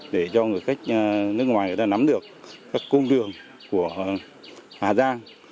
để cho người khách nước ngoài nắm được các công đường của hà giang